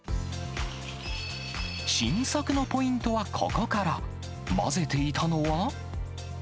新作のポイントはここから、混ぜていたのは。